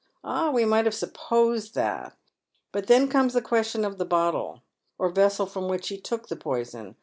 " Ah, we might have supposed that ; but then comes the question of the bottle, or vessel from which he took the poison.